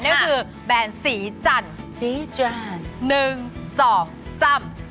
นี่คือแบรนด์สีจันทร์๑๒๓